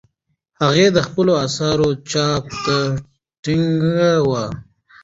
هغې د خپلو اثارو چاپ ته ټینګه وه.